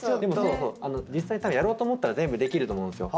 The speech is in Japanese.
実際やろうと思ったら全部できると思うんですよ。